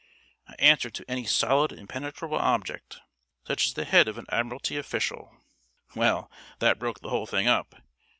I answered to any solid impenetrable object, such as the head of an Admiralty official. Well, that broke the whole thing up.